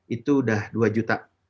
itu sudah dua juta